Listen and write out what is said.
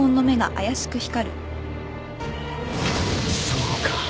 そうか。